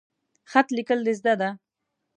خط لیکل د زده ده؟